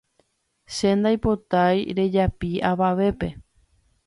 Che ndaipotái rejapi avavépe